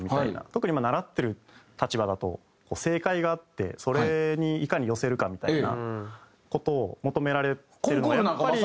特に習ってる立場だと正解があってそれにいかに寄せるかみたいな事を求められてるのがやっぱり。